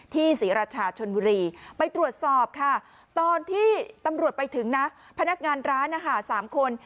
ศรีราชาชนบุรีไปตรวจสอบค่ะตอนที่ตำรวจไปถึงนะพนักงานร้านอาหาร๓คน